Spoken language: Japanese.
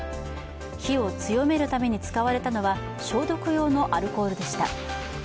火を強めるために使われたのは消毒用のアルコールでした。